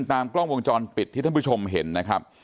ตามกล้องวงจรปิดที่ท่านผู้ชมเห็นนะครับ